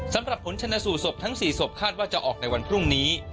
สำหรับผลชนะสูตรศพทั้ง๔ศพคาดว่าจะออกในวันพรุ่งนี้